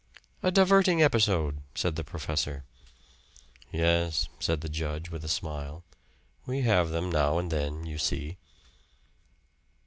"A diverting episode," said the professor. "Yes," said the judge, with a smile. "We have them now and then, you see."